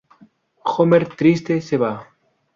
Homer, triste, se va.